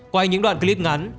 quay những đoạn clip ngắn